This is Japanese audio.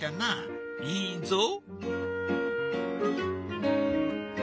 いいぞ。